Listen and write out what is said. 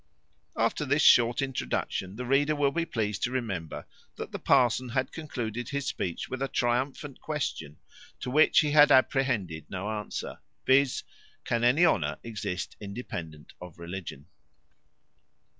After this short introduction, the reader will be pleased to remember, that the parson had concluded his speech with a triumphant question, to which he had apprehended no answer; viz., Can any honour exist independent on religion?